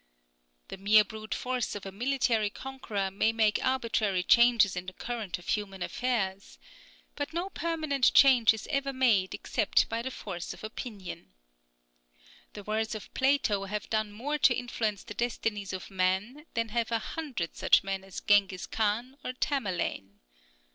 The mere brute force of a military conqueror may make arbitrary changes in the current of human affairs. But no permanent change is ever made except by the force of opinion. The words of Plato have done more to influence the destinies of men than have a hundred such men as Genghis Khan or Tamerlane.